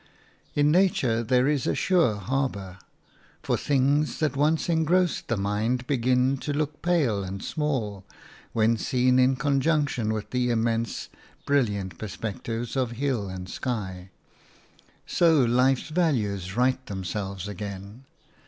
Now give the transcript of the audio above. In nature there is a sure harbour; for things that once engrossed the mind begin to look pale and small when seen in conjunction with the immense, brilliant perspectives of hill and sky; so life's values right themselves again.